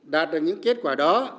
đạt được những kết quả đó